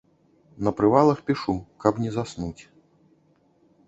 На прывалах пішу, каб не заснуць.